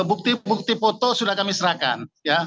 bukti bukti foto sudah kami serahkan